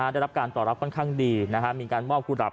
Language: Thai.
ได้รับการตอบรับค่อนข้างดีมีการมอบกุหับ